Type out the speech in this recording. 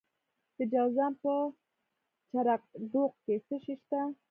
د جوزجان په جرقدوق کې څه شی شته؟